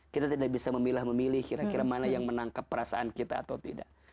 kita tidak bisa memilah memilih kira kira mana yang menangkap perasaan kita atau tidak